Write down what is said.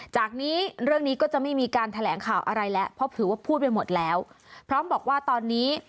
จากนี้เรื่องนี้ก็จะไม่มีการแถลงข่าวอะไรแล้วเพราะถือว่าพูดไปหมดแล้วพร้อมบอกว่าตอนนี้